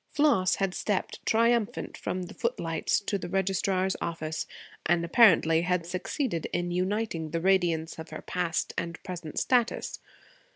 Floss had stepped, triumphant, from the footlights to the registrar's office, and apparently had succeeded in uniting the radiance of her past and present status.